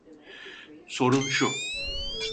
Sorun şu…